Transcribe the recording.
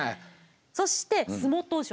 そして洲本城。